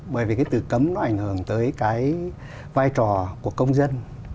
bởi vì cái từ cấm nó ảnh hưởng tới cái vai trò của công dân